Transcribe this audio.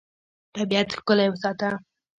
طبیعت ښکلی وساته.